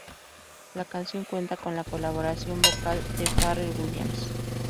La canción cuenta con la colaboración vocal de Pharrell Williams.